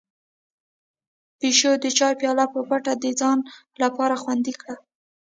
پيشو د چای پياله په پټه د ځان لپاره خوندي کړه.